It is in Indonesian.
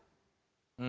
lebih baik kita menanggung